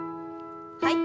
はい。